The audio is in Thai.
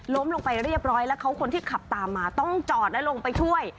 ล้มลงไปเรียบร้อยแล้วคนที่ขับตามมาต้องจอดลงไปช่วย